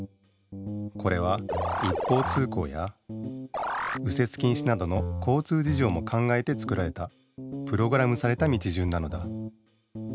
これは一方通行や右折禁止などの交通じじょうも考えて作られたプログラムされた道順なのだ。